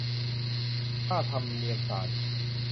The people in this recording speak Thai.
ค่าธรรมเนียมศาล